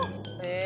え。